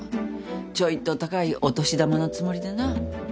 ちょいと高いお年玉のつもりでな。